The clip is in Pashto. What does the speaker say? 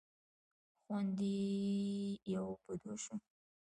خوند یې یو په دوه شو.